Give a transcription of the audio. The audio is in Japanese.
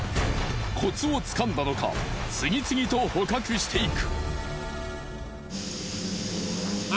コツをつかんだのか次々と捕獲していく。